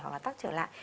hoặc là tắc trở lại